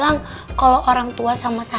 yang harus tawarkan penelitian